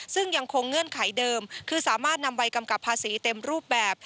ซึ่งยังคงเงื่อนไขเดิมคือสามารถนำใบกำกับภาษีเต็มรูปแบบ